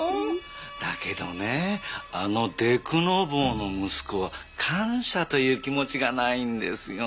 だけどねあのでくの坊の息子は感謝という気持ちがないんですよね。